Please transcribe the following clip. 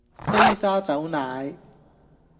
飛砂走奶